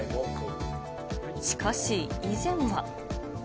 しかし、以前は。